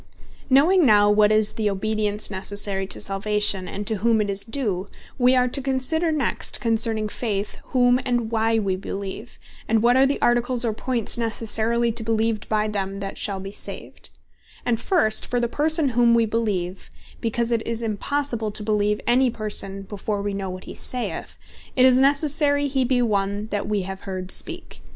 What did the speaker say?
In The Faith Of A Christian, Who Is The Person Beleeved Knowing now what is the Obedience Necessary to Salvation, and to whom it is due; we are to consider next concerning Faith, whom, and why we beleeve; and what are the Articles, or Points necessarily to be beleeved by them that shall be saved. And first, for the Person whom we beleeve, because it is impossible to beleeve any Person, before we know what he saith, it is necessary he be one that wee have heard speak.